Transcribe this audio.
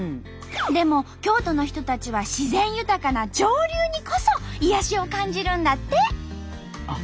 でも京都の人たちは自然豊かな上流にこそ癒やしを感じるんだって。